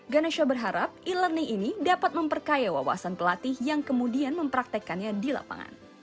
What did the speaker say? ganesha berharap e learning ini dapat memperkaya wawasan pelatih yang kemudian mempraktekannya di lapangan